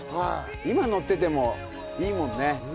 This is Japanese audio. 今、乗っててもいいもんね。